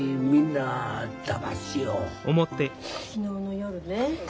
昨日の夜ね